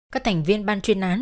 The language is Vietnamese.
các thành viên ban chuyên án